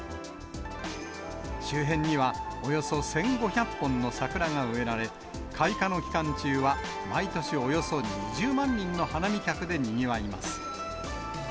周辺には、およそ１５００本の桜が植えられ、開花の期間中は毎年、およそ２０万人の花見客でにぎわいます。